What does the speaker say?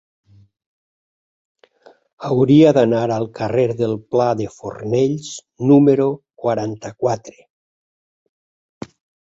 Hauria d'anar al carrer del Pla de Fornells número quaranta-quatre.